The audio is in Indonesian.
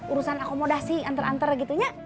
urusan akomodasi antar antar gitunya